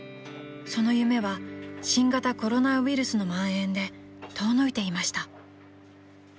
［その夢は新型コロナウイルスのまん延で遠のいていました］